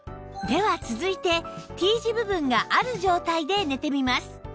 では続いて Ｔ 字部分がある状態で寝てみます